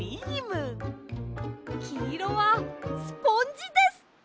きいろはスポンジです！